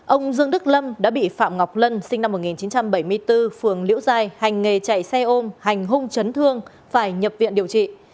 ông dương đức lâm đã bị phạm ngọc lân sinh năm một nghìn chín trăm bảy mươi bốn phường liễu giai hành nghề chạy xe ôm hành hung chấn thương phải nhập viện điều trị